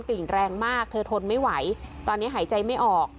ติ่งแรงมากเธอทนไม่ไหวตอนนี้หายใจไม่ออก